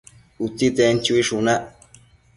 Utsitsen chuishunac